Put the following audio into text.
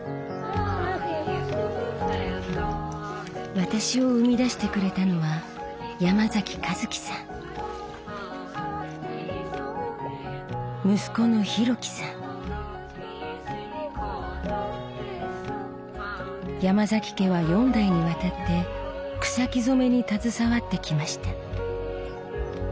私を生み出してくれたのは息子の山崎家は４代にわたって草木染に携わってきました。